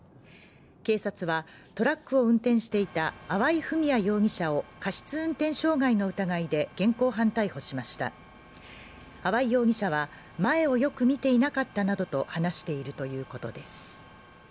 警察はトラックを運転していた粟井文哉容疑者を過失運転傷害の疑いで現行犯逮捕しました粟井容疑者は前をよく見ていなかったなどと話しているということです